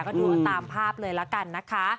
ก็ดูกันตามภาพเลยละกันนะคะ